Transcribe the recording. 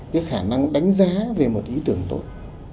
cái khả năng đánh giá về một ý tưởng tốt